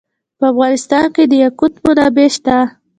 په افغانستان کې د یاقوت منابع شته.